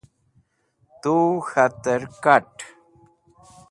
tu k̃hater kat